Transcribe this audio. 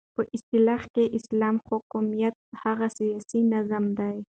او په اصطلاح كې اسلامي حكومت هغه سياسي نظام دى